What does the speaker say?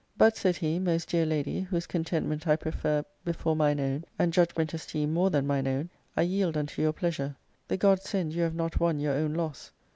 But, said he, "most dear lady, whose contentment I prefer before mine own, and judg ment esteem more dian mine own, I yield unto your pleasure. The gods send you have not won your own loss.